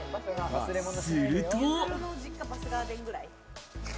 すると。